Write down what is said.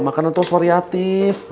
makanan terus variatif